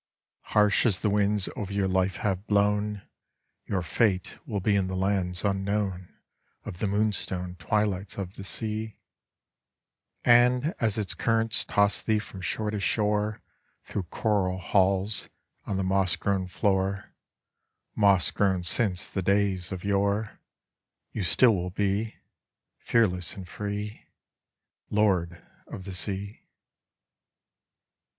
Harsh as the winds over your life have blo?n, Your fate will be in the lands unknown Of the moonstone twilights of the sea, And as its currents toss thee from shore to shora Through coral halls on the moss grown floor, Moss grown since the days of yore, You still will be, Fearless and fres, Lord of the sea.